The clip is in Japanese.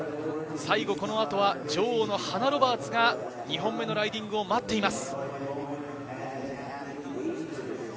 この後は女王ハナ・ロバーツが２本目のライディングを待っています。